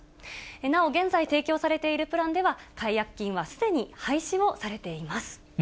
なお現在、提供されているプランでは、解約金はすでに廃止をされています。